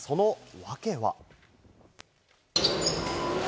その訳は？